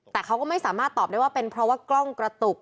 แต่เขาก็ไม่สามารถตอบได้ว่าเป็นเพราะว่ากล้องกระตุก